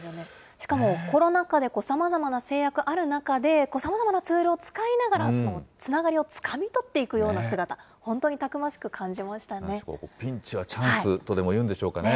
しかも、コロナ禍でさまざまな制約がある中で、さまざまなツールを使いながら、つながりをつかみ取っていくような姿、本当にたくましく感ピンチはチャンスとでもいうんでしょうかね。